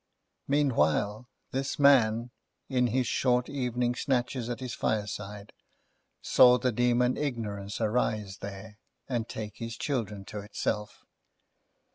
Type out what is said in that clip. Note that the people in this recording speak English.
Meanwhile, this man, in his short evening snatches at his fireside, saw the demon Ignorance arise there, and take his children to itself.